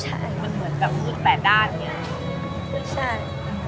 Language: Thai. อดแรงนะมันเหมือนแบบอุดแปดด้านเนี่ยใช่